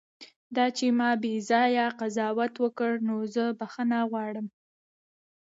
دا چې ما بیځایه قضاوت وکړ، نو زه بښنه غواړم.